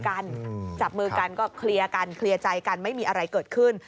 จับมือกันก็เคลียร์กันเคลียร์ใจกันไม่มีอะไรเกิดขึ้น